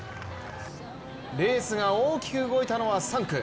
レースが大きく動いたのは３区。